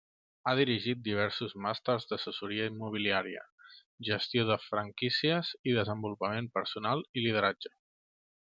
Ha dirigit diversos màsters d'assessoria immobiliària, gestió de franquícies i desenvolupament personal i lideratge.